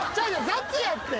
雑やって。